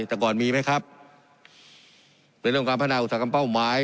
แต่ก่อนมีไหมครับเป็นเรื่องการพัฒนาอุตสาหกรรมเป้าหมาย